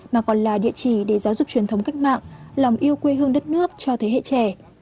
mà còn là địa chỉ để giáo dục truyền thống cách mạng lòng yêu quê hương đất nước cho thế hệ trẻ